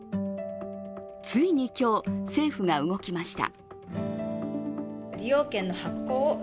ついに今日、政府が動きました。